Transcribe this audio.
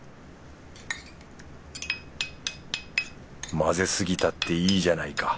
混ぜすぎたっていいじゃないか。